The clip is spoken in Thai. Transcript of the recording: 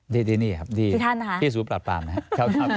ที่ที่นี่ครับที่ท่านค่ะที่สูตรปลาปลาไหมครับ